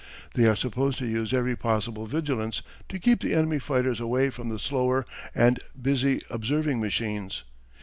They are supposed to use every possible vigilance to keep the enemy's fighters away from the slower and busy observing machines.